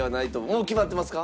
もう決まってますか？